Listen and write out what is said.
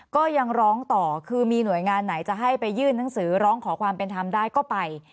ก็ยังร้องต่อคือมีหน่วยงานไหนจะให้ไปยื่นหนังสือร้องขอความเป็นธรรมได้ก็ไป